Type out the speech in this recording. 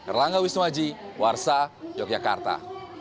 erlangga wisnuaji warsa yogyakarta